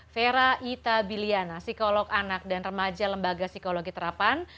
vera ita biliana psikolog anak dan remaja lembaga psikologi terapan